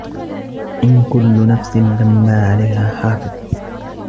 إِن كُلُّ نَفْسٍ لَّمَّا عَلَيْهَا حَافِظٌ